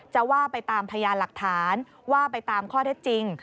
จะว่าไปตามพยานหลักฐานว่าไปตามข้อเท็จจริง